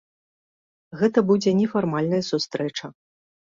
Гэта будзе нефармальная сустрэча.